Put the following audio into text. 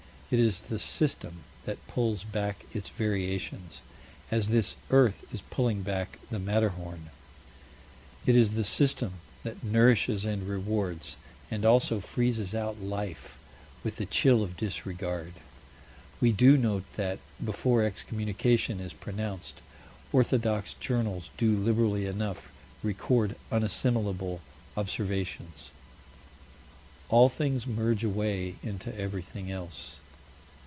It is the System that pulls back its variations, as this earth is pulling back the Matterhorn. It is the System that nourishes and rewards, and also freezes out life with the chill of disregard. We do note that, before excommunication is pronounced, orthodox journals do liberally enough record unassimilable observations. All things merge away into everything else.